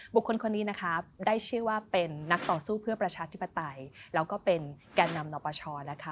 คนนี้นะคะได้ชื่อว่าเป็นนักต่อสู้เพื่อประชาธิปไตยแล้วก็เป็นแก่นำนปชนะคะ